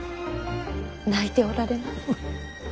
泣いておられます。